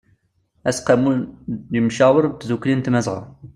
aseqqamu n ymcawer n tdukli n tmazɣa